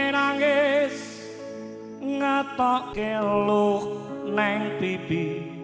yang rencananya digelar pada hari ini